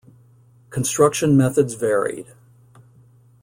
Construction methods varied.